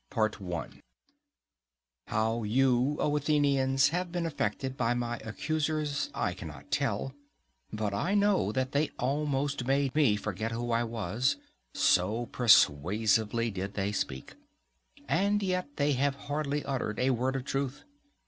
APOLOGY How you, O Athenians, have been affected by my accusers, I cannot tell; but I know that they almost made me forget who I was—so persuasively did they speak; and yet they have hardly uttered a word of truth.